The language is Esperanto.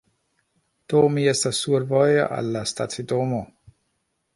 Do mi estas survoje al la stacidomo